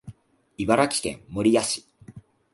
茨城県守谷市